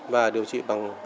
và điều trị bằng